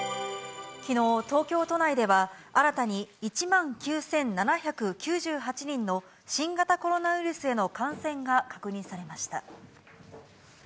きのう東京都内では、新たに１万９７９８人の新型コロナウイルスへの感染が確認されました。